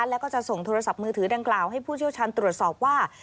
แล้วก็จะส่งโทรศัพท์มือถือดังกล่าวให้ผู้เชี่ยวชาญตรวจสอบว่า